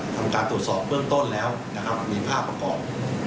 ทำการตรวจสอบเบื้องต้นแล้วนะครับมีภาพประกอบ